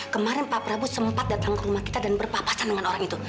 kemarin pak prabowo sempat datang ke rumah kita dan berpapasan dengan orang itu